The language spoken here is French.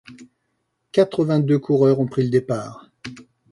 Quatre-vingt-deux coureurs ont pris le départ.